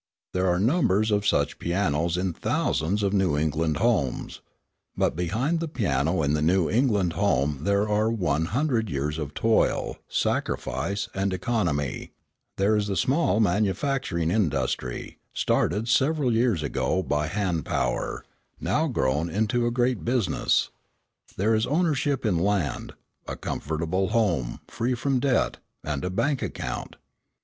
There are numbers of such pianos in thousands of New England homes. But behind the piano in the New England home there are one hundred years of toil, sacrifice, and economy; there is the small manufacturing industry, started several years ago by hand power, now grown into a great business; there is ownership in land, a comfortable home, free from debt, and a bank account.